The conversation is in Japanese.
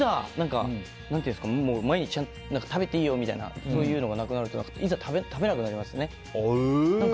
毎日食べていいよみたいなそういうのがなくなると食べなくなりますね。